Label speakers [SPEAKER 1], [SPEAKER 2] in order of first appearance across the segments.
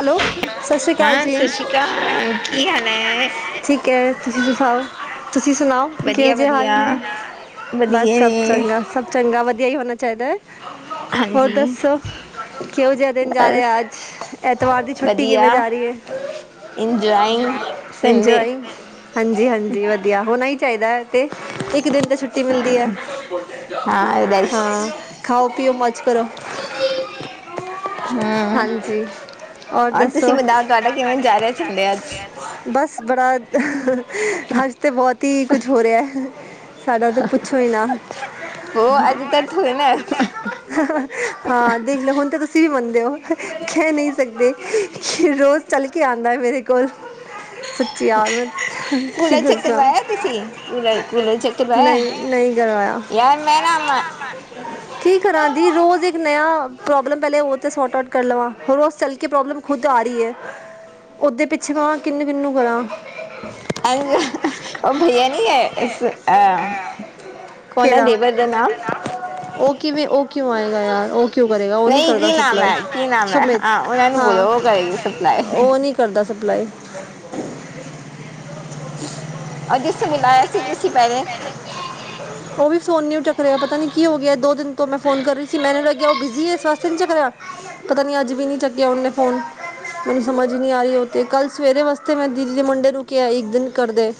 [SPEAKER 1] Hello. ਸਸਰੀ ਕਾਲ
[SPEAKER 2] ਹਾਂ
[SPEAKER 1] ਜੀ,
[SPEAKER 2] ਸਤਿ ਸ਼੍ਰੀ ਅਕਾਲ ਕੀ ਹਾਲ ਹੈ
[SPEAKER 1] [unintelligible] ਠੀਕ ਐ, ਤੁਸੀ ਸੁਨਾਓ? ਤੁਸੀ ਸੁਨਾਓ, ਕਿਓ
[SPEAKER 2] ਵਧੀਆ
[SPEAKER 1] ਜੇ ਹਾਲ
[SPEAKER 2] ਵਧੀਆ
[SPEAKER 1] ਨੇ?
[SPEAKER 2] ਵਧੀਆ
[SPEAKER 1] ਬਸ ਸਭ
[SPEAKER 2] ਨੇ
[SPEAKER 1] ਚੰਗਾ, ਸਭ ਚੰਗਾ, ਵਦੀਆ ਈ ਹੋਨਾ ਚਾਹੀਦੈ। ਹੋਰ
[SPEAKER 2] ਹਾਂਜੀ
[SPEAKER 1] ਦੱਸੋ, ਕਿਓ ਜਾ ਦਿਨ ਜਾ
[SPEAKER 2] ਬਸ
[SPEAKER 1] ਰੇਆ, ਅੱਜ? ਐਤਵਾਰ ਦੀ ਛੁੱਟੀ
[SPEAKER 2] ਵਧੀਆ
[SPEAKER 1] ਕਿਵੇਂ ਜਾ ਰੀ ਏ?
[SPEAKER 2] ਇੰਜੋਇੰਗ ਸੰਡੇ
[SPEAKER 1] ਇਂਜੋਏ ਹਾਂਜੀ, ਹਾਂਜੀ ਵਦੀਆ ਹੋਨਾ ਈ ਚਾਹੀਦੈ। ਤੇ ਇੱਕ ਦਿਨ ਤੇ ਛੁੱਟੀ ਮਿਲਦੀ ਐ,
[SPEAKER 2] ਹਾਂ
[SPEAKER 1] ਹਾਂ
[SPEAKER 2] ਰੈਸਟ
[SPEAKER 1] ਖਾਓ, ਪੀਓ, ਮੋਜ਼ ਕਰੋ।
[SPEAKER 2] ਹੂੰ,
[SPEAKER 1] ਹਾਂਜੀ ਔਰ
[SPEAKER 2] ਅੱਜ ਤੁਸੀ
[SPEAKER 1] ਦੱਸੋ
[SPEAKER 2] ਤੁਆਡਾ ਕਿਵੇਂ ਜਾ ਰੇਐ ਸੰਡੇ, ਅੱਜ?
[SPEAKER 1] ਬਸ ਬੜਾ ਹਾਂਜੀ। ਤੇ ਬਹੁਤ ਈ ਕੁਜ ਹੋ ਰਿਆ ਸਾਡਾ ਤੇ ਪੁੱਛੋ ਈ ਨਾ।
[SPEAKER 2] [inaudible]
[SPEAKER 1] ਹਾਂ ਦੇਖ ਲਓ ਹੁਣ ਤੇ ਤੁਸੀਂ ਵੀ ਮੰਨਦੇ ਓ ਹੈ ਨੀ। ਸਕਦੇ ਰੋਜ਼ ਚੱਲ ਕੇ ਆਂਦਾ ਮੇਰੇ ਕੋਲ। ਯਾਰ ਮੈਂ ਕੀ
[SPEAKER 2] ਕੂਲੇ ਚ
[SPEAKER 1] ਦੱਸਾਂ
[SPEAKER 2] ਕਰਵਾਇਆ ਤੁਸੀਂ ਲੈ ਕੂਲੇ ਚ ਕਰਵਾਇਆ।
[SPEAKER 1] ਨਹੀਂ ਨਹੀਂ ਕਰਵਾਇਆ
[SPEAKER 2] ਯਾਰ ਮੈ ਨਾਮ
[SPEAKER 1] ਕੀ ਕਰਾਂ ਦੀ ਰੋਜ਼ ਇੱਕ ਨਯਾ ਪ੍ਰੋਬਲਮ, ਪਹਿਲੇ ਉਹ ਤੇ ਸੋਟ ਆਊਟ ਕਰ ਲਵਾਂ ਰੋਜ਼ ਚੱਲ ਕੇ ਪ੍ਰੋਬਲਮ ਖੁਦ ਆ ਰਈ ਐ, ਓਦੇ ਪਿੱਛੇ ਕਾਂ ਕਿਨੂੰ-ਕਿਨੂੰ ਕਰਾਂ।
[SPEAKER 2] ਉਹ ਭਈਆ ਨੀ ਐ ਅਹ। ਕੌਣ ਐ
[SPEAKER 1] ਕਿਹੜਾ
[SPEAKER 2] ਦੇਵਰ ਦਾ ਨਾਮ।
[SPEAKER 1] ਉਹ ਕਿਵੇਂ ਉਹ ਕਿਉ ਆਏਗਾ ਯਾਰ ਉਹ ਕਿਉ ਕਰੇਗਾ ਉਹ ਨੀ
[SPEAKER 2] ਨਹੀਂ
[SPEAKER 1] ਕਰਦਾ
[SPEAKER 2] ਕੀ ਨਾਮ
[SPEAKER 1] ਸਪਲਾਈ।
[SPEAKER 2] ਹੈ ਕੀ ਨਾਮ ਹੈ ਹਾਂ ਉਹਨਾਂ ਨੂੰ
[SPEAKER 1] ਹਾਂ
[SPEAKER 2] ਬੋਲੋ ਉਹ ਕਰੇਗੀ ਸਪਲਾਈ।
[SPEAKER 1] ਉਹ ਨੀ ਕਰਦਾ ਸਪਲਾਈ।
[SPEAKER 2] ਅਜਿਸ ਮਿਲਾਇਆ ਸੀ ਤੁਸੀਂ ਪਹਿਲੇ
[SPEAKER 1] ਉਹ ਵੀ ਫੋਨ ਨੀ ਚੱਕ ਰਿਆ ਪਤਾ ਨੀ ਕੀ ਹੋ ਗਿਆ, ਦੋ ਦਿਨ ਤੋਂ ਮੈਂ ਫੋਨ ਕਰ ਰੀ ਸੀ ਮੈਨੂੰ ਲੱਗਿਆ ਉਹ ਬਿਜ਼ੀ ਏ ਇਸ ਵਾਸਤੇ ਨੀ ਚੱਕ ਰਿਆ ਪਤਾ ਨੀ ਅੱਜ ਵੀ ਨਈ ਚੱਕਿਆ ਉਹਨੇ ਫੋਨ ਮੈਨੂੰ ਸਮਝ ਈ ਨੀ ਆ ਰਈ ਓ ਤੇ ਕੱਲ੍ਹ ਸਵੇਰੇ ਵਾਸਤੇ ਮੈਂ ਦੀਦੀ ਦੇ ਮੁੰਡੇ ਨੂੰ ਕਿਆ ਏ ਇੱਕ ਦਿਨ ਕਰਦੇ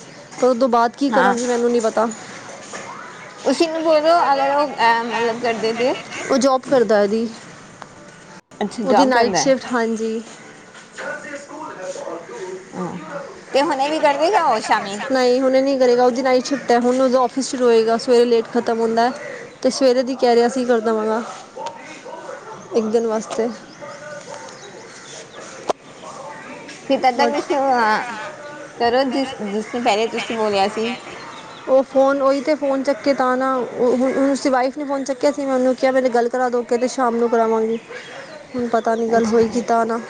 [SPEAKER 1] ਫੇਰ ਉਹ ਤੋਂ ਬਾਅਦ ਕੀ
[SPEAKER 2] ਹਾਂ
[SPEAKER 1] ਕਰਾਂਗੀ ਮੈਨੂੰ ਨੀ ਪਤਾ।
[SPEAKER 2] ਤੁਸੀ ਇਹਨੂੰ ਬੋਲੋ ਅਗਰ ਓ ਐਹ ਮਤਲਬ ਕਰਦੇ ਤੇ
[SPEAKER 1] ਉਹ ਜੋਬ ਕਰਦਾ ਦੀ,
[SPEAKER 2] ਅੱਛਾ
[SPEAKER 1] ਓਦੀ
[SPEAKER 2] ਜੋਬ
[SPEAKER 1] ਨਾਈਟ
[SPEAKER 2] ਕਰਦਾ ਹੈ
[SPEAKER 1] ਸ਼ਿਫਟ ਹਾਂਜੀ।
[SPEAKER 2] ਹਾਂ ਤੇ ਹੁਣੇ ਵੀ ਕਰ ਦੇਗਾ ਉਹ ਸ਼ਾਮੀ
[SPEAKER 1] ਨਈ ਹੁਣੇ ਨੀ ਕਰੇਗਾ ਉਹਦੀ ਨਾਈਟ ਛੁੱਟੇਆ ਹੁਣ ਉਦੋਂ ਔਫਿਸ ਸ਼ੁਰੂ ਹੋਏਗਾ ਸਵੇਰੇ ਲੇਟ ਖਤਮ ਹੁੰਦਾ, ਤੇ ਸਵੇਰੇ ਦੀ ਕੈਰੀਆ ਸੀਂ ਗਲ ਦਵਾਂਗਾ, ਇੱਕ ਦਿਨ ਵਾਸਤੇ
[SPEAKER 2] ਫਿਰ ਤਦ ਤੱਕ
[SPEAKER 1] ਬਸ
[SPEAKER 2] ਉਸਨੂੰ ਹਾਂ ਕਰੋ, ਜਿਸ ਜਿਸਨੂੰ ਪਹਿਲੇ ਤੁਸੀਂ ਬੋਲਿਆ ਸੀ।
[SPEAKER 1] ਉਹ ਫੋਨ ਓਹੀ ਤੇ ਫੋਨ ਚੱਕੇ ਤਾਂ ਨਾ ਉਸਦੀ ਵਾਈਫ ਨੇ ਫੋਨ ਚੱਕਿਆ ਸੀ ਮੈਂ ਉਹਨੂੰ ਕਿਆ ਮੇਰੀ ਗੱਲ ਕਰਾ ਦੋ ਕਹਿੰਦੇ ਸ਼ਾਮ ਨੂੰ ਕਰਾਵਾਂਗੀ ਹੁਣ ਪਤਾ ਨੀ ਗੱਲ ਹੋਈਗੀ
[SPEAKER 2] ਅੱਛਾ
[SPEAKER 1] ਤਾਂ ਨਾ।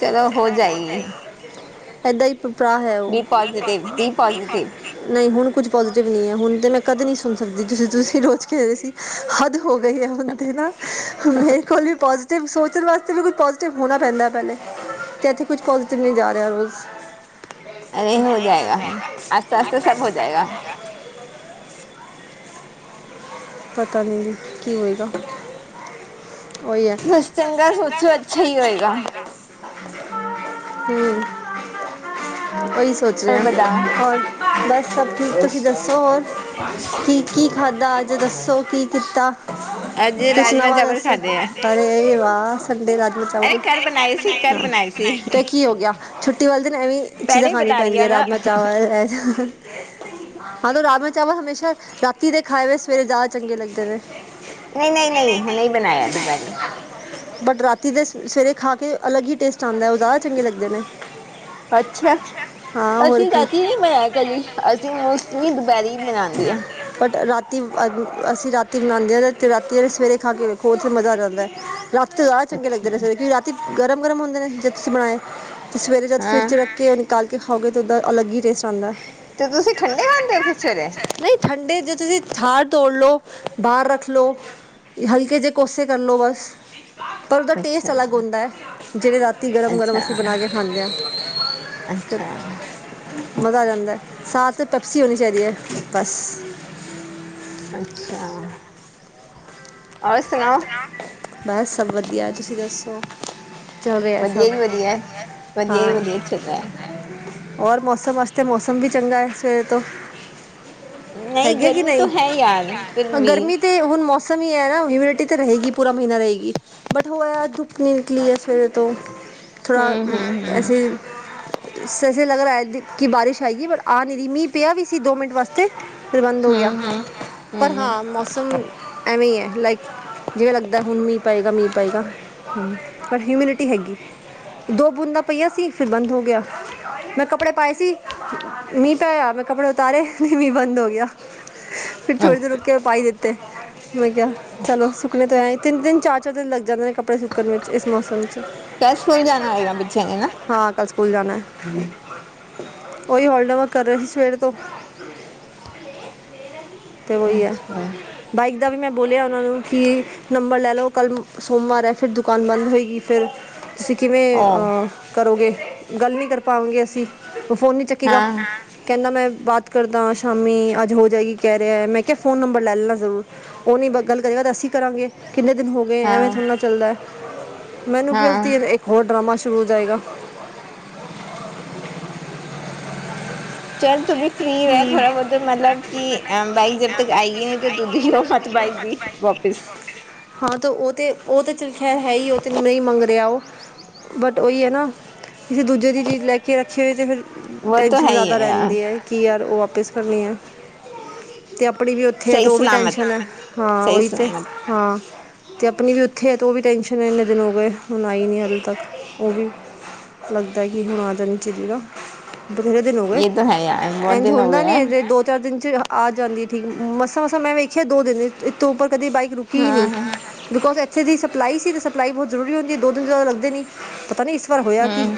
[SPEAKER 2] ਚਲੋ ਹੋ ਜਾਏਗੀ
[SPEAKER 1] ਏਦਾਂ ਈ ਤਰਾ ਹੈ ਉਹ।
[SPEAKER 2] ਬੀ ਪੋਜ਼ਟਿਵ ਬੀ ਪੋਜ਼ਟਿਵ
[SPEAKER 1] ਨਈ ਹੁਣ ਕੁੱਝ ਪੋਜ਼ਟਿਵ ਨਈ ਹੈ, ਹੁਣ ਤੇ ਮੈਂ ਕਦੇ ਨੀ ਸੁਣ ਸਕਦੀ ਤੁਸੀਂ ਰੋਜ਼ ਕਹਿ ਰਹੇ ਸੀ ਹਦ ਹੋ ਗਈ ਹੈ ਹੁਣ ਤੇ ਨਾ, ਹੁਣ ਮੇਰੇ ਕੋਲ ਵੀ ਪੋਜੀਟਿਵ ਸੋਚਣ ਵਾਸਤੇ ਵੀ ਕੁਛ ਪੋਜਿਟਿਵ ਹੋਣਾ ਪੈਂਦਾ ਪਹਿਲੇ ਤੇ ਇੱਥੇ ਕੁਛ ਪੋਜਿਟਿਵ ਨੀ ਜਾ ਰਿਆ ਰੋਜ਼।
[SPEAKER 2] ਅਰੇ ਹੋ ਜਾਏਗਾ ਆਸਤਾ-ਆਸਤਾ ਸਬ ਹੋ ਜਾਏਗਾ।
[SPEAKER 1] ਪਤਾ ਨੀ ਕੀ ਹੋਏਗਾ। ਉਈ ਐ।
[SPEAKER 2] ਬਸ ਚੰਗਾ ਸੋਚੋ ਅੱਛਾ ਹੀ ਹੋਏਗਾ
[SPEAKER 1] ਹੂੰ, ਉਹੀ ਸੋਚ
[SPEAKER 2] ਪਰ
[SPEAKER 1] ਰਏਆ
[SPEAKER 2] ਬਤਾ
[SPEAKER 1] ਹੋਰ ਬਸ ਸਭ ਠੀਕ ਤੁਸੀਂ ਦੱਸੋ ਹੋਰ ਕੀ-ਕੀ ਖਾਧਾ ਅੱਜ ਦੱਸੋ ਕੀ ਕੀਤਾ?
[SPEAKER 2] ਅੱਜ
[SPEAKER 1] ਤੁਸੀ
[SPEAKER 2] ਰਾਜਮਾਂ ਚਾਵਲ
[SPEAKER 1] ਦੱਸੋ ਅਰੇ ਵਾਹ! ਸੰਡੇ ਰਾਜਮਾ ਚਾਵਲ ਤੇ ਕੀ ਹੋ ਗਿਆ ਛੁੱਟੀ ਵਾਲੇ ਦਿਨ ਐਵੇਂ ਚੀਜ਼ਾਂ ਖਾਣੀ ਪੈਂਦੀਆਂ ਰਾਜਮਾਂ ਚਾਵਲ ਇਹ ਰਾਜਮਾ-ਚਾਵਲ ਹਮੇਸ਼ਾ ਰਾਤੀ ਦੇ ਖਾਏ ਹੋਏ ਸਵੇਰੇ ਜਾਦਾ ਚੰਗੇ ਲੱਗਦੇ ਨੇ।
[SPEAKER 2] ਨਈ, ਨਈ, ਨਈ ਹੁਣੇ ਬਣਾਇਆ ਦੁਪੈਰੇ।
[SPEAKER 1] ਬਟ ਰਾਤੀ ਦੇ ਸਵੇਰੇ ਖਾ ਕੇ ਅਲੱਗ ਹੀ ਟੇਸਟ ਆਂਉਦਾ, ਉਹ ਜਿਆਦਾ ਚੰਗੇ ਲੱਗਦੇ ਨੇ।
[SPEAKER 2] ਅੱਛਾ।
[SPEAKER 1] ਹਾਂ ਹੋਰ
[SPEAKER 2] ਅਸੀਂ
[SPEAKER 1] ਕੀ
[SPEAKER 2] ਰਾਤੀ ਨਹੀ ਬਣਾਇਆ ਕਦੀ ਅਸੀਂ ਮੋਸਟਲੀ ਦੁਪਹਿਰੀ ਬਣਾਉਦੇ ਆ।
[SPEAKER 1] ਬਟ ਰਾ ਅਸੀਂ ਰਾਤੀ ਬਣਾਂਦੇ ਆ ਤੇ ਰਾਤੀ ਆਲੇ ਸਵੇਰੇ ਖਾ ਕੇ ਵੇਖੋ ਮਜ਼ਾ ਆ ਜਾਂਦਾ ਰਾ ਜ਼ਿਆਦਾ ਚੰਗੇ
[SPEAKER 2] ਅੱਛਾ
[SPEAKER 1] ਲੱਗਦੇ ਨੇ ਸਵੇਰੇ ਕਿਉਂਕ ਰਾਤੀ ਗਰਮ-ਗਰਮ ਹੁੰਦੇ ਨੇ, ਜਦ ਤੁਸੀਂ ਬਣਾਏ, ਤੇ ਸਵੇਰੇ ਜਦ ਫਰਿਜ
[SPEAKER 2] ਹਾਂ
[SPEAKER 1] ਚ ਰੱਖ ਕੇ ਤਲ ਕੇ ਖਾਓਗੇ ਤੇ ਓਦਾ ਅਲੱਗ ਹੀ ਟੇਸਟ ਆਉਂਦਾ।
[SPEAKER 2] ਤੇ ਤੁਸੀਂ ਠੰਡੇ ਖਾਂਦੇ ਹੋ ਫਿਰ ਸਵੇਰੇ।
[SPEAKER 1] ਨਹੀਂ ਠੰਡੇ ਜੇ ਤੁਸੀਂ ਥੜ ਤੋੜ ਲਓ, ਬਾਹਰ ਰੱਖ ਲਓ ਇਹ ਹਲਕੇ ਜੇ ਕੋਸੇ ਕਰ ਲਓ ਬਸ। ਪਰ ਉਹਦਾ ਟੇਸਟ
[SPEAKER 2] ਅੱਛਾ
[SPEAKER 1] ਅਲੱਗ ਹੁੰਦਾ ਹੈ। ਜਿਹੜੇ ਰਾਤੀਂ ਗਰਮ-ਗਰਮ
[SPEAKER 2] ਅੱਛਾ
[SPEAKER 1] ਅਸੀਂ ਬਣਾ ਕੇ ਖਾਂਦੇ ਹਾਂ। ਤੇ
[SPEAKER 2] ਅੱਛਾ
[SPEAKER 1] ਮਜ਼ਾ ਆ ਜਾਂਦਾ ਸਾਥ ਤਾਂ ਪੈਪਸੀ ਹੋਣੀ ਚਾਹੀਦੀ ਹੈ। ਬਸ
[SPEAKER 2] ਅੱਛਾ
[SPEAKER 1] ਔਰ ਸੁਣਾਓ, ਬਸ ਸਭ ਵਧੀਆ ਤੁਸੀਂ ਦੱਸੋ ਚਲ ਆ
[SPEAKER 2] ਵਧੀਆ
[SPEAKER 1] ਸਭ
[SPEAKER 2] ਜੀ ਵਧੀਆ ਵਧੀਆ ਹੀ
[SPEAKER 1] ਹਾਂ
[SPEAKER 2] ਵਧੀਆ ਚੱਲ ਰਿਹਾ ਹੈ
[SPEAKER 1] ਹੋਰ ਮੌਸਮ ਵਾਸਤੇ ਮੌਸਮ ਵੀ ਚੰਗਾ ਹੈ। ਸਵੇਰੇ ਤੋਂ
[SPEAKER 2] ਨਹੀਂ
[SPEAKER 1] ਹੈਗੇ ਕਿ
[SPEAKER 2] ਗਰਮੀ
[SPEAKER 1] ਨਹੀਂ,
[SPEAKER 2] ਤਾਂ ਹੈ ਯਾਰ ਫਿਰ ਵੀ
[SPEAKER 1] ਗਰਮੀ ਤੇ ਹੁਣ ਮੌਸਮ ਹੀ ਹੈ। ਨਾ ਇਮਿਊਨਿਟੀ ਤੇ ਰਹੇਗੀ ਪੂਰਾ ਮਹੀਨਾ ਰਹੇਗੀ ਬਟ ਹੋ ਧੁੱਪੀ ਨਿਕਲੀ ਹੈ। ਸਵੇਰੇ ਤੋਂ ਥੋੜ੍ਹਾ
[SPEAKER 2] ਹਮ ਹਮ ਹਮ
[SPEAKER 1] ਅਸੀ ਸਸੇ ਲੱਗ ਰਿਹਾ ਕਿ ਬਾਰਿਸ਼ ਆਏਗੀ ਹੈ ਪਰ ਆ ਨਹੀ ਰਹੀ ਮੀਂਹ ਪਿਆ ਵੀ ਸੀ ਦੋ ਮਿੰਟ ਵਾਸਤੇ ਤੇ ਪਰ ਬੰਦ ਹੋ ਗਿਆ
[SPEAKER 2] ਹਮ ਹਮ
[SPEAKER 1] ਪਰ
[SPEAKER 2] ਹਮ
[SPEAKER 1] ਹਾਂ ਮੌਸਮ ਐਵੇਂ ਹੀ ਹੈ। ਲਾਈਕ ਜਿਵੇਂ ਲੱਗਦਾ ਹੁਣ ਮੀਂਹ ਪਏਗਾ-ਮੀਂਹ ਪਏਗਾ ਹਮ ਪਰ ਹਿਊਮਿਨਿਟੀ ਹੈਗੀ ਦੋ ਬੂੰਦਾਂ ਪਈਆਂ ਸੀ ਫਿਰ ਬੰਦ ਹੋ ਗਿਆ ਮੈਂ ਕੱਪੜੇ ਪਾਏ ਸੀ, ਮੀਂਹ ਪਿਆ ਮੈਂ ਕੱਪੜੇ ਉਤਾਰੇ, ਮੀਂਹ ਬੰਦ ਹੋ ਗਿਆ ਫਿਰ ਥੋੜੀ ਦੇਰ ਰੁੱਕ
[SPEAKER 2] ਅੱਛਾ
[SPEAKER 1] ਕੇ ਪਾਈ ਦਿੱਤੇ ਮੈਂ ਕਿਹਾ ਚਲੋ ਸੁੱਕਨੇ ਤੋਂ ਐਂ ਤਿੰਨ ਦਿਨ ਚਾਰ-ਚਾਰ ਦਿਨ ਲੱਗ ਜਾਂਦੇ ਨੇ ਕੱਪੜੇ ਸੁੱਕਣ ਵਿੱਚ ਇਸ ਮੌਸਮ ਚ
[SPEAKER 2] ਕਲ ਸਕੂਲ ਜਾਣਾ ਹੋਏਗਾ ਬੱਚਿਆਂ ਨੇ ਨਾ
[SPEAKER 1] ਹਾਂ ਕੱਲ ਸਕੂਲ ਜਾਣਾ ਉਹੀ ਹੋਲਡ ਵਰਕ ਕਰ ਰਹੇ ਸੀ ਸਵੇਰ ਤੋਂ ਤੇ ਉਹੀ ਹੈ।
[SPEAKER 2] ਅੱਛਾ
[SPEAKER 1] ਬਾਈਕ ਦਾ ਵੀ ਮੈਂ ਬੋਲਿਆ ਉਹਨਾਂ ਨੂੰ ਕਿ ਨੰਬਰ ਲੈ ਲਓ ਕੱਲ ਸੋਮਵਾਰ ਹੈ। ਫਿਰ ਦੁਕਾਨ ਬੰਦ ਹੋਏਗੀ ਫਿਰ ਤੁਸੀਂ ਕਿਵੇਂ
[SPEAKER 2] ਉਹ
[SPEAKER 1] ਕਰੋਗੇ ਗੱਲ ਨਹੀਂ ਕਰ ਪਾਵਾਂਗੇ ਅਸੀਂ, ਉਹ ਫੋਨ ਨਹੀਂ ਚੱਕੇਗਾ
[SPEAKER 2] ਹਾਂ
[SPEAKER 1] ਕਹਿੰਦਾ ਮੈਂ ਬਾਤ ਕਰਦਾ ਸ਼ਾਮੀ ਅੱਜ ਹੋ ਜਾਏਗੀ ਕਹਿ ਰਿਹਾ ਮੈਂ ਕਿਹਾ ਫੋਨ ਨੰਬਰ ਲੈ ਲੈਣਾ ਜ਼ਰੂਰ ਉਹ ਨੀ ਬੱਗਲ ਕਰ ਵ ਅਸੀਂ ਕਰਾਂਗੇ ਕਿੰਨੇ ਦਿਨ ਹੋ ਗਏ ਐਵੇਂ
[SPEAKER 2] ਹਾਂ
[SPEAKER 1] ਥੋੜੇ ਨਾਲ ਚੱਲਦਾ ਮੈਨੂੰ
[SPEAKER 2] ਹਾਂ
[SPEAKER 1] ਕੀ ਹੋਰ ਡਰਾਮਾ ਸ਼ੁਰੂ ਹੋ ਜਾਏਗਾ
[SPEAKER 2] ਚੈਨ ਚੁਬੀ ਫਰੀ ਹੋਇਆ ਥੋੜਾ ਬਹੁਤ ਮਤਲਬ ਕਿ ਬਾਈਕ ਜਬ ਤੱਕ ਆਈ ਨੀ ਤਾਂ ਦੁੱਧ ਹੀ ਹੋ ਮਤ ਬਾਈਕ ਵੀ ਵਾਪਿਸ
[SPEAKER 1] ਹਾਂ ਤੇ ਉਹ ਤੇ ਉਹ ਤੇ ਚ ਖਰ ਹੈ ਹੀ ਉਹ ਤੈਨੂੰ ਨਹੀਂ ਮੰਗ ਰਿਹਾ ਉਹ ਬਟ ਉਹੀ ਹੈ। ਨਾ ਕਿਸੇ ਦੂਜੇ ਦੀ ਚੀਜ਼ ਲੈ ਕੇ ਕੀ ਰਕਸ਼ੇ ਚੀਏ ਫਿਰ
[SPEAKER 2] ਵੋ ਤਾਂ
[SPEAKER 1] ਟੈਨਸ਼ਨ
[SPEAKER 2] ਹੈ ਹੀ
[SPEAKER 1] ਜ਼ਿਆਦਾ
[SPEAKER 2] ਹੈ ਯਾਰ
[SPEAKER 1] ਰਹਿੰਦੀ ਹੈ। ਕੀ ਯਾਰ ਉਹ ਵਾਪਿਸ ਕਰਨੇ ਆ ਤੇ ਆਪਣੀ ਵੀ ਉੱਥੇ ਹੈ। ਤੇ
[SPEAKER 2] ਸਹੀ
[SPEAKER 1] ਉਹ ਵੀ ਟੈਂਸ਼ਨ
[SPEAKER 2] ਸਲਾਮਤ
[SPEAKER 1] ਹੈ। ਹਾਂ
[SPEAKER 2] ਸਹੀ
[SPEAKER 1] ਉਹੀ ਤੇ
[SPEAKER 2] ਸਲਾਮਤ
[SPEAKER 1] ਹਾਂ ਤੇ ਆਪਣੀ ਵੀ ਉੱਥੇ ਹੈ। ਅਤੇ ਉਹ ਵੀ ਟੈਂਨਸ਼ਨ ਹੈ। ਇੰਨੇ ਦਿਨ ਹੋ ਗਏ ਹੁਣ ਆਈ ਨਹੀਂ ਹਾਲੇ ਤੱਕ ਉਹ ਵੀ ਲੱਗਦਾ ਕਿ ਹੁਣ ਆ ਜਾਣੀ ਚਾਦੀ ਦਾ, ਬਥੇਰੇ ਦਿਨ ਹੋ ਗਏ
[SPEAKER 2] ਇਹ ਹੈ। ਆ
[SPEAKER 1] ਇੰਝ ਹੁੰਦਾ ਨੀ ਇਹਦੇ ਦੋ ਚਾਰ ਦਿਨ ਚ ਆ ਜਾਂਦੀ ਠੀਕ, ਮਸਾਂ-ਮਸਾਂ ਮੈਂ ਵੇਖਿਆ ਦੋ ਦਿਨ ਦੀ ਇਥੋਂ ਉੱਪਰ ਕਦੇ ਬਾਈਕ ਰੁਕੀ ਹੀ ਨਹੀਂ।
[SPEAKER 2] ਹਮ
[SPEAKER 1] ਬਿਕੋਜ ਇੱਥੇ ਦੀ ਸਪਲਾਈ ਸੀ ਤੇ ਸਪਲਾਈ ਬਹੁਤ ਜ਼ਰੂਰੀ ਹੁੰਦੀ ਹੈ। ਦੋ ਤਿੰਨਿਆਦਾ ਲੱਗਦੇ ਨੀ ਪਤਾ ਨੀ ਪਰ ਹੋਇਆ ਕਿ
[SPEAKER 2] ਹਮ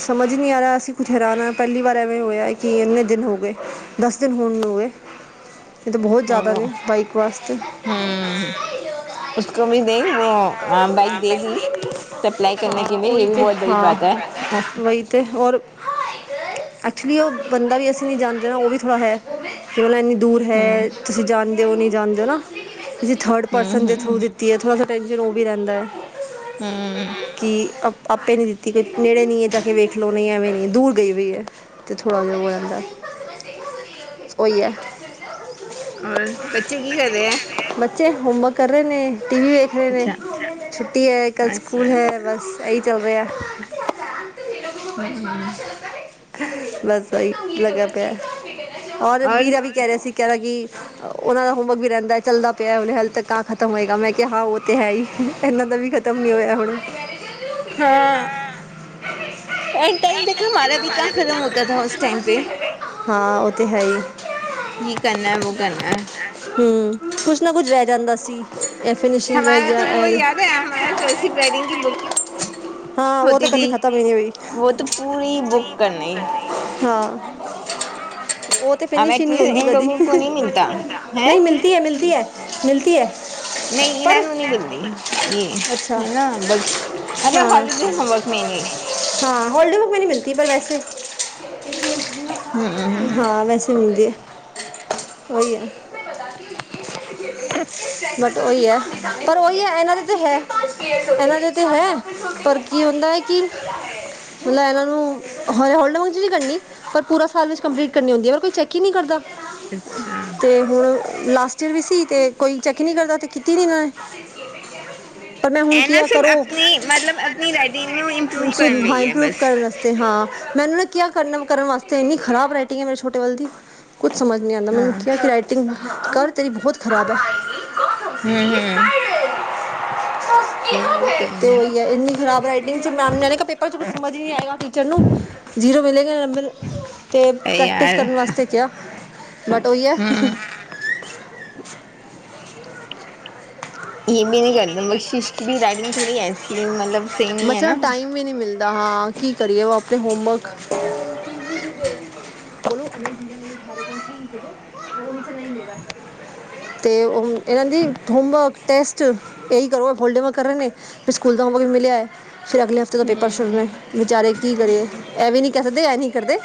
[SPEAKER 1] ਸਮਝ ਨਹੀਂ ਆ ਰਿਹਾ ਅਸੀਂ ਕੁੱਥ ਹੈਰਾਨ ਪਹਿਲੀ ਵਾਰ ਐ ਹੋਇਆ ਕਿ ਇੰਨੇ ਦਿਨ ਹੋ ਗਏ ਦਸ ਦਿਨ ਹੋਣ ਨੂੰ ਹੋ ਗਏ। ਇਹ ਤਾਂ ਬਹੁਤ ਜ਼ਿਆਦਾ ਨੇ
[SPEAKER 2] ਹਮ
[SPEAKER 1] ਬਾਈਕ ਵਾਸਤੇ
[SPEAKER 2] ਉਸਕ ਵੀ ਦੇ ਬਾਈਕ ਦੇ ਦੀ [unintelligible] ਸਪਲਾਈ ਕਰਨ ਕੀ
[SPEAKER 1] ਹਾਂ
[SPEAKER 2] ਇਹ
[SPEAKER 1] ਉਹੀ
[SPEAKER 2] ਵੀ
[SPEAKER 1] ਤੇ
[SPEAKER 2] ਬਹੁਤ ਬੜੀ
[SPEAKER 1] ਹਾਂ
[SPEAKER 2] ਬਾਤ ਹੈ।
[SPEAKER 1] ਵਹੀ ਤੇ ਹੋਰ ਉੱਥੇ ਵੀ ਉਹ ਬੰਦਾ ਵੀ ਅਸੀਂ ਨਹੀਂ ਜਾਂਦਾ ਨਾ ਉਹ ਵੀ ਥੋੜ੍ਹਾ ਹੈ। ਕਿ ਮਤਲਬ ਇੰਨੀ ਦੂਰ ਹੈ। ਤੁਸੀਂ ਜਾਣ ਓ ਨਈ ਜਾਂਦੇ ਨਾ, ਤੁਸੀਂ ਥੜ ਪਰਸਨ ਦੇ ਥ੍ਰੂ ਦਿੱਤੀ ਏ ਥੋੜਾ ਜਾ ਟੇੰਨਸ਼ਨ ਓਵੀ ਰੈਂਦੈ।
[SPEAKER 2] ਹੂੰ।
[SPEAKER 1] ਕਿ ਅਪ ਆਪੇ ਨੀ ਦਿੱਤੀ ਕੋਈ ਨੇੜੇ ਨਈ ਏ, ਜਾ ਕੇ ਵੇਖ ਲੋ ਨਈ ਐਵੇਂ ਨੀ ਦੂਰ ਗਈ ਵੀ ਏ। ਅਤੇ ਥੋੜ੍ਹਾ ਜਾ ਵੋ [inaudible] ਹੋ ਜਾਂਦਾ ਏ ਓਈ ਐ।
[SPEAKER 2] ਔਰ, ਬੱਚੇ ਕੀ ਕਰ ਰੈ ਐ?
[SPEAKER 1] ਬੱਚੇ ਹੋਮੰਬਕ ਕਰ ਰਏ ਨੇ, ਟੀ ਵੀ ਵੇਖ ਰਏ ਨੇ ਛੁੱਟੀ ਏ ਕੱਲ ਸੂਕੂਲ ਹੇ ਬਸ ਏਈ ਚਲ ਰੇਆ।
[SPEAKER 2] ਹੂੰ, ਹੂੰ।
[SPEAKER 1] ਬਸ, ਵਈ [unintelligible] ਔਰ ਵੀਰਾ ਵੀ ਕੈ ਰੇਆ ਸੀ ਕੈਰਾ ਕਿ ਅ ਓਨਾਂ ਦਾ ਹੋਮੰਵਕ ਵੀ ਰੈਂਦਾ ਏ ਚੱਲਦਾ ਪੇਆ ਹੂਨੇ ਹਲ ਤੱਕ ਕਾਂ ਖਤਮ ਹੋਏਗਾ, ਮੈਂ ਕੇਆ ਹਾਂ ਓ ਤੇ ਹੈ ਈ ਏਨਾਂ ਦਾ ਵੀ ਖਤ ਖਤਮ ਨੀ ਹੋਏਆ ਹੁਣੇ?
[SPEAKER 2] ਹਾਂ, [unintelligible]
[SPEAKER 1] ਹਾਂ, ਓ ਤੇ ਹੈ ਈ।
[SPEAKER 2] ਕੀ ਕਰਨਾ ਐ ਵੋ ਕਰਨਾ ਐ
[SPEAKER 1] ਹੂੰ ਕੁਛ ਨਾ ਕੁਛ ਰੈ ਜਾਂਦਾ ਸੀ, ਐ ਫਿਨੀਸ਼ਿੰਗ ਰੈ ਗੇਆ ਐ
[SPEAKER 2] ਕ੍ਰਸਿਵ ਰਾਈਟਿੰਗ ਕੀ ਬੁੱਕ।
[SPEAKER 1] ਹਾਂ
[SPEAKER 2] ਓ
[SPEAKER 1] ਉਹ ਤਾਂ
[SPEAKER 2] ਦੀਦੀ,
[SPEAKER 1] ਕਦੀ ਖਤਮ ਹੀ ਨਹੀਂ ਹੋਈ
[SPEAKER 2] ਓ ਤੇ ਪੂਰੀ ਬੁੱਕ ਕਰਨੀ।
[SPEAKER 1] ਹਾਂ। ਓਤੇ ਫਿਨਿਸ਼ਿੰਗ ਨੀ ਹੁੰਦੀ ਕਦੀ, ਨਈ ਮਿਲਤੀ ਹੈ ਮਿਲਤੀ ਹੈ ਮਿਲਤੀ ਹੈ।
[SPEAKER 2] ਨਈ ਈਨਾ
[SPEAKER 1] ਪਰ
[SPEAKER 2] ਨੂੰ ਨੀ ਮੀਲਦੀ, ਈ
[SPEAKER 1] ਅੱਛਾ
[SPEAKER 2] ਹੈਨਾ ਬਲ ਮਤਲਬ
[SPEAKER 1] ਹਾਂ
[SPEAKER 2] ਹੋਲੀਡੇਜ਼ ਹੋਮੰਵਰਕ ਮੇ ਨਈ।
[SPEAKER 1] ਹਾਂ, ਹੋਲੀਡੇ ਬੁੱਕ ਮੈ ਨੀ ਮਿਲਤੀ ਪਰ ਵੈਸੇ। ਹਾਂ, ਵੈਸੇ ਮਿਲਦੀ ਐ। ਓਈ ਐ। ਬਟ ਓਈ ਐ, ਪਰ ਓਈ ਐ ਏਨਾਂ ਦੇ ਤੇ ਹੈ, ਇਹਨਾਂ ਦੇ ਤੇ ਹੈ। ਪਰ ਕੀ ਹੁੰਦਾ ਏ ਕਿ ਮਲ ਏਨਾਂ ਨੂੰ ਹ ਹੋਲਡ [unintelligible] 'ਚ ਨੀ ਕਰਨੀ ਪਰ ਪੂਰਾ ਸਾਲ ਵਿੱਚ ਕੰਪਲੀਟ ਕਰਨੀ ਹੋਂਦੀ ਏ, ਪਰ ਕੋਈ ਚੈੱਕ ਈ ਨੀ ਕਰਦਾ।
[SPEAKER 2] ਅੱਛਾ।
[SPEAKER 1] ਤੇ ਹੁਣ ਲਾਸਟ ਈਅਰ ਵੀ ਸੀ, ਤੇ ਕੋਈ ਚੈੱਕ ਈ ਨੀ ਕਰਦਾ ਤੇ ਕੀਤੀ ਨੀ ਐਨਾ ਨੇ। ਪਰ ਮੈਂ ਹੁਣ
[SPEAKER 2] ਐ ਨਾ
[SPEAKER 1] ਕੀਆ
[SPEAKER 2] ਸਬ
[SPEAKER 1] ਕਰੋ
[SPEAKER 2] ਅਪਨੀ, ਮਲਬ ਅਪਨੀ ਰਾਈਟਿੰਗ ਨੂੰ ਇੰਪਰੂਵ ਕਰਨ ਲਈ ਏ ਬਸ।
[SPEAKER 1] ਵਸਤੇ ਹਾਂ ਮੈ ਏਨਾ ਨੂੰ ਕੇਆ ਕਰਨਾ ਕਰਨ ਵਾਸਤੇ, ਇੰਨੀ ਖ਼ਰਾਬ ਰਾਈਟਿੰਗ ਹੈ ਮੇਰੇ ਛੋਟੇ ਵੱਲ ਦੀ ਕੁਛ ਸਮਜ ਨੀ ਆਂਦਾ ਮੈਨੂੰ
[SPEAKER 2] ਹਾਂ।
[SPEAKER 1] ਕੇਆ ਕਿ ਰਾਈਟਿੰਗ ਕਰ, ਤੇਰੀ ਬਹੋਤ ਖਰਾਬ ਐ।
[SPEAKER 2] ਹੂੰ, ਹੂੰ। ਐ ਈ ਓ ਤਾ ਹੈ।
[SPEAKER 1] ਤੇ ਓਈ ਐ ਇੰਨੀ ਖਰਾਬ ਰਾਈਟਿੰਗ 'ਚ ਮੈਮ ਨੇ ਓ ਕੇਆ ਪੇਪਰ 'ਚ ਕੁਛ ਸਮਜ ਈ ਨਈ ਆਏਗਾ ਚਲੂੰ, ਜ਼ੀਰੋ ਮਿਲੇਗਾ ਨੰਬਰ ਤੇ
[SPEAKER 2] ਅਰੇ
[SPEAKER 1] ਪ੍ਰੈਕਟਿਸ
[SPEAKER 2] ਯਾਰ
[SPEAKER 1] ਕਰਨ ਵਾਸਤੇ ਕੇਆ। ਬਟ ਓਈ ਐ।
[SPEAKER 2] ਹੂੰ।
[SPEAKER 1] ਮਤਲਬ ਟਾਈਮ ਵੀ ਨੀ ਮਿਲਦਾ, ਹਾਂ ਕੀ ਕਰੀਏ ਵੋ ਆਪੇ ਹੋਮੰਵਕ [unintelligible] [unintelligible] ਤੇ ਉਹ ਐਨਾ ਦੀ ਹੋਮਵਰਕ ਟੇਸਟ, ਏਈ ਕਰੋ ਹੋਲਡਵ ਕਰਾਗੇ ਤੇ ਸੂਕੂਲ ਦਾ ਹੋਮਵਰਕ ਮਿਲੇਆ ਏ ਫਿਰ ਅਗਲੇ ਹਫ ਸੋ ਤੇ ਪਛੁ ਨੇ ਵਿਚਾਰੇ ਕੀ ਕਰੀਏ, ਐਵੀ ਨੀ ਕੈ ਸਕਦੇ ਐ ਨੀ ਕਰਦੇ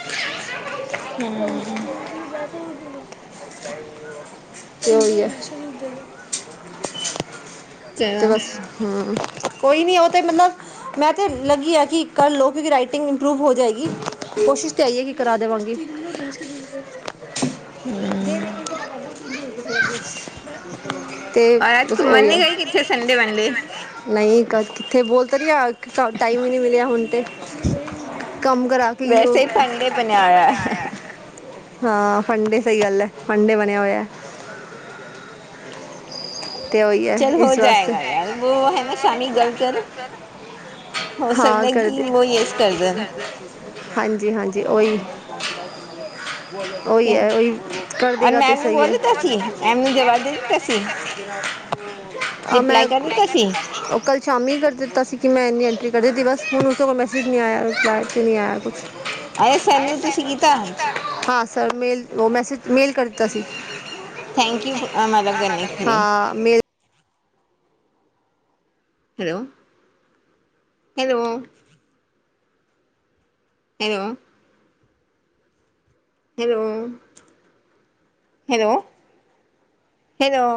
[SPEAKER 1] ਤੇ ਓਹੀ ਏ ਤੇ ਬਸ ਹੂੰ, ਕੋਈ ਨੀ ਓ ਤੇ ਮਲਬ ਮੈਂ ਤੇ ਲੱਗੀ ਆ ਕਿ ਕੱਰ ਲੋ। ਕਿਉਂਕਿ ਰਾਈਟਿੰਗ ਇੰਪਰੂਵ ਹੋ ਜਾਏਗੀ, ਕੋਸ਼ਿਸ਼ ਤੇ ਐਈ ਐ ਕਿ ਕਰਾ ਦੇਵਾਂਗੀ। [unintelligible] [inaudible]
[SPEAKER 2] ਹੂੰ।
[SPEAKER 1] ਤੇ ਬਸ ਓਹੀਐ। ਨਹੀਂ ਕਲ ਕਿੱਥੇ ਬੋਲ ਤਾਂ ਰਹੀ ਆ ਟਾਈਮ ਹੀ ਨਹੀ ਮਿਲਿਆ ਹੁਣ ਤੇ ਕੰਮ ਕਰਾ ਕੇ ਹੀ ਉਹ
[SPEAKER 2] ਹੈ
[SPEAKER 1] ਹਾਂ ਫੰਡੇ ਸਹੀ ਗੱਲ ਹੈ ਫੰਡੇ ਬਣਿਆ ਹੋਇਆ ਤੇ ਉਹੀ ਹੈ
[SPEAKER 2] ਚਲ ਹੋ
[SPEAKER 1] ਇਸ ਵਾਸਤੇ
[SPEAKER 2] ਜਾਏਗਾ ਯਾਰ ਵੋ ਹੈ ਨਾ ਸ਼ਾਮੀ ਗਲ ਕਰ ਹੋ
[SPEAKER 1] ਹਾਂ
[SPEAKER 2] ਸਕਦਾ ਕਿ
[SPEAKER 1] ਕਰਦੇ
[SPEAKER 2] ਉਹ ਯਸ ਕਰਦੇਣ
[SPEAKER 1] ਹਾਂਜੀ ਹਾਂਜੀ ਉਹੀ ਉਹੀ ਹੈ ਉਹੀ ਕਰ ਦੇਗਾ ਤਾਂ ਸਹੀ ਹੈ
[SPEAKER 2] ਜੀ ਮੈਂਨੂੰ ਜਵਾਬ ਦਿੰਦਾ ਸੀ
[SPEAKER 1] ਆ
[SPEAKER 2] ਰਿਪਲਾਈ
[SPEAKER 1] ਮੈਂ
[SPEAKER 2] ਕਰ ਦਿੱਤਾ ਸੀ।
[SPEAKER 1] ਉਹ ਕਲ ਸ਼ਾਮੀ ਹੀ ਕਰ ਦਿੱਤਾ ਸੀ ਕਿ ਮੈਂ ਇੰਨੀ ਐਂਟਰੀ ਕਰ ਦਿੱਤੀ ਬਸ ਹੁਣ ਉਸ ਤੋਂ ਕੋਲ ਮੈਸੇਜ ਨਹੀਂ ਆਇਆ ਰਿਪਲਾਏ ' ਨਹੀਂ ਆਇਆ ਕੁਛ
[SPEAKER 2] ਅਰੇ ਸਰ ਨੂੰ ਤੁਸੀਂ ਕੀਤਾ
[SPEAKER 1] ਹਾਂ ਸਰ ਮੇਲ ਉਹ ਮੈਸੇਜ ਮੇਲ ਕਰ ਦਿੱਤਾ ਸੀ
[SPEAKER 2] ਥੈਂਕ ਯੂ ਮਦਦ ਕਰਨੇ ਕੇ ਲੀਏ
[SPEAKER 1] ਹਾਂ mail
[SPEAKER 2] hello hello hello hello hello hello